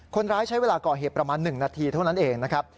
คนร้ายใช้เวลาก่อเหตุประมาณ๑นาทีเท่านั้นเองนะครับ